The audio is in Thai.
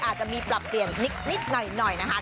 อาจจะมีปรับเปลี่ยนนิดหน่อยนะคะ